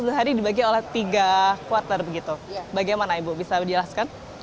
terbagi oleh tiga kuartal begitu bagaimana ibu bisa dijelaskan